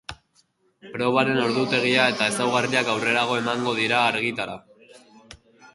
Probaren ordutegia eta ezaugarriak aurrerago emango dira argitara.